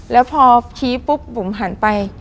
แล้วพอชี้ปุ๊บบุ๋มหันไป